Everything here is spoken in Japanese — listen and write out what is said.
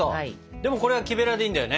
でもこれは木べらでいいんだよね。